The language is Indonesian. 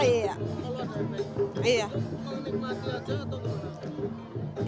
iya hari perangkat